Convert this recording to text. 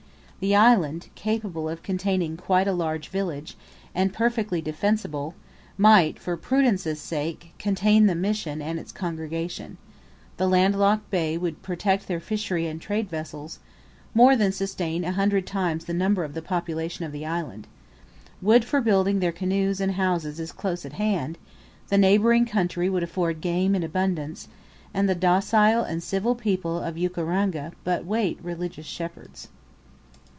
The island, capable of containing quite a large village, and perfectly defensible, might, for prudence' sake, contain the mission and its congregation; the landlocked bay would protect their fishery and trade vessels; more than sustain a hundred times the number of the population of the island. Wood for building their canoes and houses is close at hand; the neighbouring country would afford game in abundance; and the docile and civil people of Ukaranga but wait religious shepherds.